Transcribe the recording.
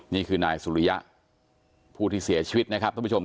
นี่คือนายสุริยะผู้ที่เสียชีวิตนะครับท่านผู้ชม